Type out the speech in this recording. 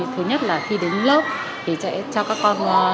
thứ nhất là khi đến lớp thì sẽ cho các con